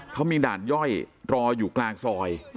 เขามีด่านย่อยรออยู่กลางซอย